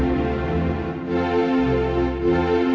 saudara pendengar yang setia